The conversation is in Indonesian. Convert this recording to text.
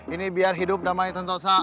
ini biar hidup damai dan dosa